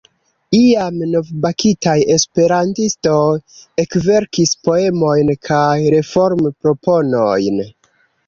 Iam novbakitaj esperantistoj ekverkis poemojn kaj reformproponojn.